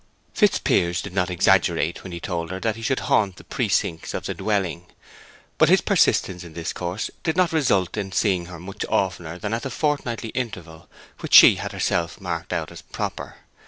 Fitzpiers did not exaggerate when he told her that he should haunt the precincts of the dwelling. But his persistence in this course did not result in his seeing her much oftener than at the fortnightly interval which she had herself marked out as proper.